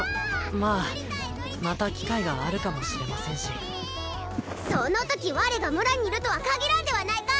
ままあまた機会があるかもしれませんしそのとき我が村にいるとは限らんではないか！